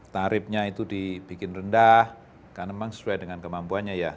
tarifnya itu dibikin rendah karena memang sesuai dengan kemampuannya ya